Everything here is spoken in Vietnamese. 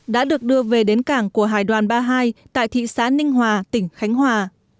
đã được đưa về đến cảng của hải đoàn ba mươi hai tại thị xã ninh hòa tỉnh khánh hòa